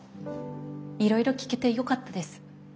いろいろ聞けてよかったです。